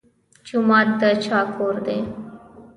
جومات د چا کور دی؟